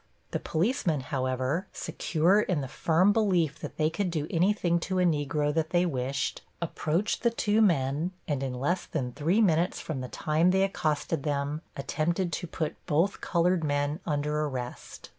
The policemen, however, secure in the firm belief that they could do anything to a Negro that they wished, approached the two men, and in less than three minutes from the time they accosted them attempted to put both colored men under arrest.